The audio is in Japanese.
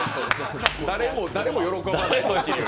誰も喜ばない。